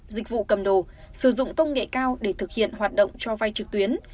dịch vụ cầm đồ sử dụng công nghệ cao để thực hiện hoạt động cho vai trực tuyến